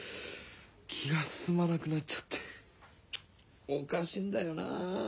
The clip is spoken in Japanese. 気がすすまなくなっちゃっておかしいんだよな。